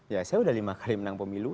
ya saya udah lima kali menang pemilu